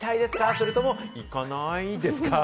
それとも行かないですか？